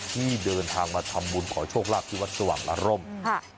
ที่เดินทางมาทำบุญขอโชคลาภที่วัดสว่างอารมณ์ค่ะ